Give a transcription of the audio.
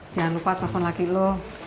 jangan lupa telfon laki lo